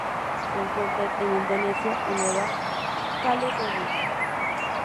Se encuentran en Indonesia y Nueva Caledonia.